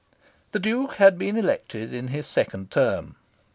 The Duke had been elected in his second term.